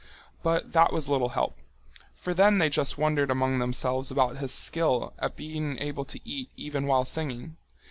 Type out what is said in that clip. But that was little help. For then they just wondered among themselves about his skill at being able to eat even while singing.